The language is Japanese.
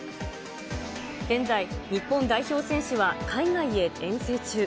現在、日本代表選手は海外へ遠征中。